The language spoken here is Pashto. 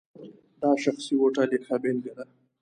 دا شخصي هوټل یې ښه بېلګه ده.